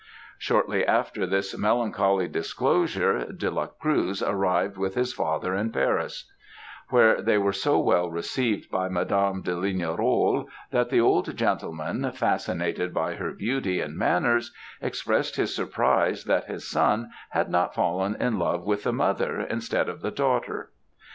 "Shortly after this melancholy disclosure, De la Cruz arrived with his father in Paris; where they were so well received by Madame de Lignerolles, that the old gentleman, fascinated by her beauty and manners, expressed his surprise that his son had not fallen in love with the mother, instead of the daughter.